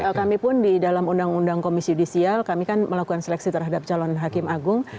jadi dalam undang undang komisi judisial kami kan melakukan seleksi terhadap calon hakim agung